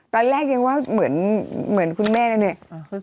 ตอนแรกยังว่าเหมือนคุณแม่แล้วเนี่ย